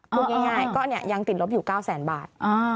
พูดง่ายก็ยังติดลบอยู่๙แสนบาท